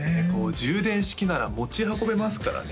充電式なら持ち運べますからね